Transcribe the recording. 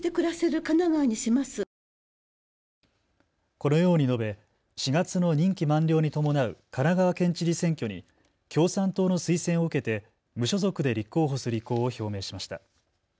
このように述べ、４月の任期満了に伴う神奈川県知事選挙に共産党の推薦を受けて無所属で立候補する意向を表明しました。